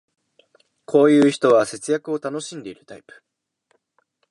こういう人は節約を楽しんでるタイプ